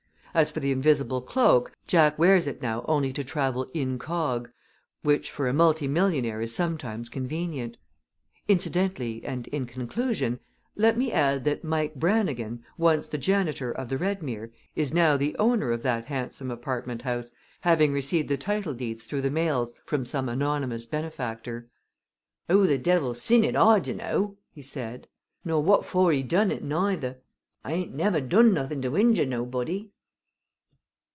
As for the invisible cloak, Jack wears it now only to travel incog., which for a multi millionaire is sometimes convenient. Incidentally and in conclusion, let me add that Mike Brannigan, once the janitor of the Redmere, is now the owner of that handsome apartment house, having received the title deeds through the mails from some anonymous benefactor. "Who the divvle sint it, I dinnaw!" he said. "Nor what for he done it, nayther. I ain't never done nothin' to injure nobody!"